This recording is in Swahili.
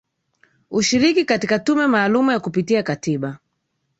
ushiriki katika tume maalum ya kupitia katiba